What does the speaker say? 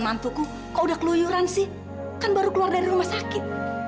mantuku kok udah keluyuran sih kan baru keluar dari rumah sakit